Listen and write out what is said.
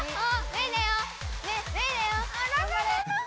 メイだよ。